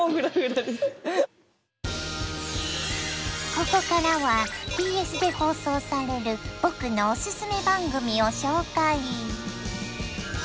ここからはＢＳで放送される僕のオススメ番組を紹介！